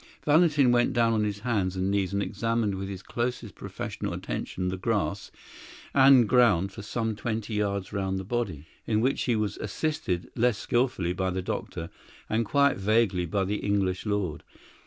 Valentin went down on his hands and knees and examined with his closest professional attention the grass and ground for some twenty yards round the body, in which he was assisted less skillfully by the doctor, and quite vaguely by the English lord.